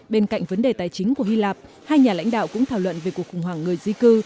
bên cạnh vấn đề tài chính của hy lạp hai nhà lãnh đạo cũng thảo luận về cuộc khủng hoảng người di cư